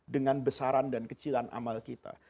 dengan besaran dan kecilan amal kita